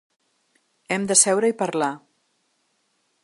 Hem de seure i parlar.